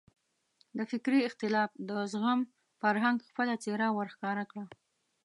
د فکري اختلاف د زغم فرهنګ خپله څېره وښکاره کړه.